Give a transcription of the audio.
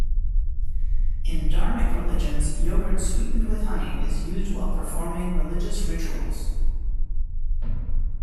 In Dharmic religions, yogurt sweetened with honey is used while performing religious rituals.